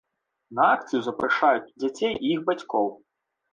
На акцыю запрашаюць дзяцей і іх бацькоў.